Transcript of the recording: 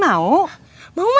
mak emang ke rumah